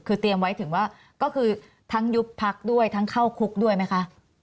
คือเตรียมไว้ถึงว่าจะทั้งหยุบพักและเข้าคุกด้วยไหมคะ